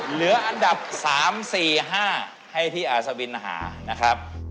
เหลืออันดับ๓๔๕ให้พี่อาศวินหานะครับ